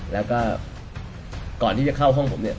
แล้วก็ก่อนที่จะเข้าห้องผมเนี่ย